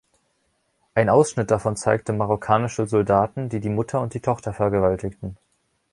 Ein Ausschnitt davon zeigte marokkanische Soldaten, die die Mutter und die Tochter vergewaltigten.